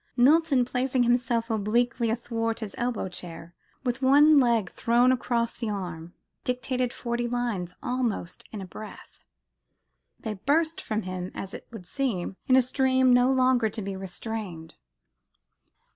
Milton, placing himself obliquely athwart his elbow chair, with one leg thrown across the arm, dictated forty lines, almost in a breath, they burst from him, as it would seem, in a stream no longer to be restrained.